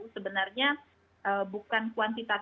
sebenarnya bukan kuantitatifnya yang dilihat